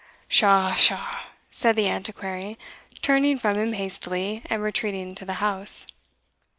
"Pshaw! pshaw!" said the Antiquary, turning from him hastily, and retreating into the house.